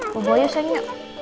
bubuk yuk shay